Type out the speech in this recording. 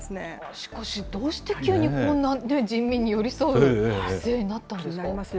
しかしどうして急にこんな、人民に寄り添う姿勢になったんですか。